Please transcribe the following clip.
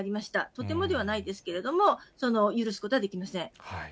とてもではないですけれども、許すことはできません。